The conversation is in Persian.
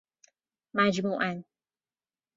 مجموعاً